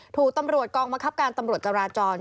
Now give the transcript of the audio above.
ถูกตำรวจกองบังคับการตำรวจจราจร